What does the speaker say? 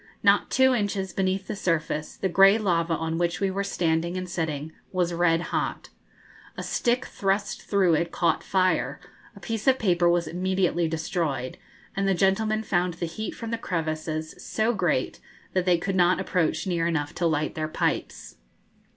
Not two inches beneath the surface, the grey lava on which we were standing and sitting was red hot. A stick thrust through it caught fire, a piece of paper was immediately destroyed, and the gentlemen found the heat from the crevices so great that they could not approach near enough to light their pipes.